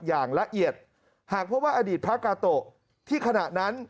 อย่างละเอียดหากพบว่าอดีตพระกาโตะที่ขณะนั้น